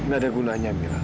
gak ada gunanya mila